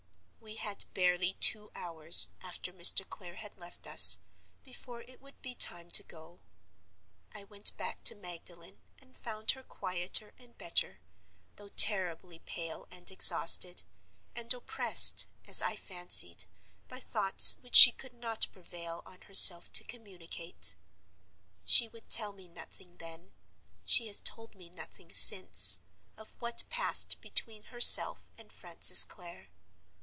"We had barely two hours, after Mr. Clare had left us, before it would be time to go. I went back to Magdalen, and found her quieter and better, though terribly pale and exhausted, and oppressed, as I fancied, by thoughts which she could not prevail on herself to communicate. She would tell me nothing then—she has told me nothing since—of what passed between herself and Francis Clare.